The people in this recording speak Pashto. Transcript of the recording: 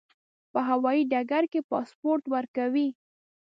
په هوایي ډګر کې پاسپورت ورکوي.